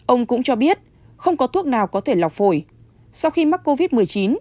ông cũng cho biết không có thuốc nào có thể lọc phổi